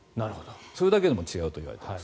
それだけでも違うといわれています。